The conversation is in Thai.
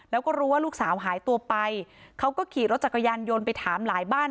แล้วก็รู้ว่าลูกสาวหายตัวไปเขาก็ขี่รถจักรยานยนต์ไปถามหลายบ้าน